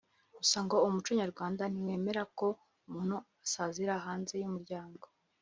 Gusa ngo umuco nyarwanda ntiwemera ko umuntu asazira hanze y’ umuryango